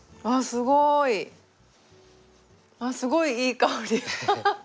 すごいいい香りが。